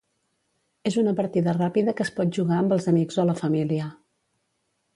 És una partida ràpida que es pot jugar amb els amics o la família.